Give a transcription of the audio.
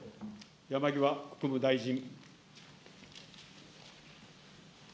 山際国務大臣。